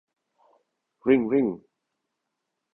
Ring Ring